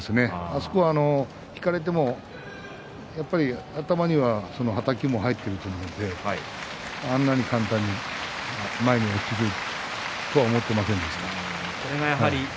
あそこは引かれても頭には、はたきも入っていると思いますのであのように簡単に前に落ちると思っていませんでした。